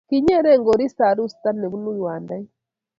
kinyere koristo arusta ne bunu kiwandaik